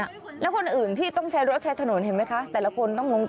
น่ะแล้วคนอื่นที่ต้องใช้รถใช้ถนน